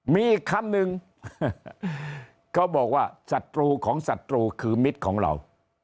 มีอีกคำหนึ่งเขาบอกว่าศัตรูของศัตรูคือมิตรของเรา